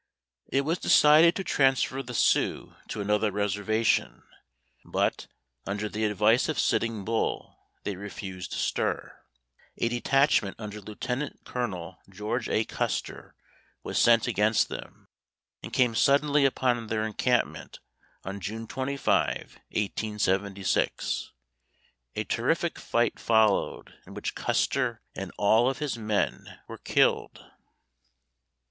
It was decided to transfer the Sioux to another reservation, but, under the advice of Sitting Bull, they refused to stir. A detachment under Lieutenant Colonel George A. Custer was sent against them, and came suddenly upon their encampment on June 25, 1876. A terrific fight followed, in which Custer and all of his men were killed.